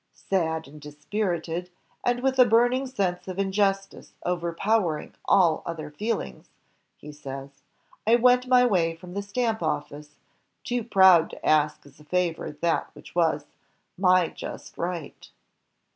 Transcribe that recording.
"Sad and dispirited, and with a burning sense of injustice overpowering all other feelings," he says, "I went my way from the Stamp Office, too proud to ask as a favor that which was ... my just right."